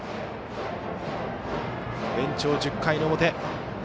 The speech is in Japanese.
延長１０回表。